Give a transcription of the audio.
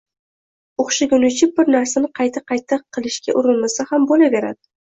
o‘xshagunicha bir narsani qayta-qayta qilishga urinmasa ham bo‘laveradi.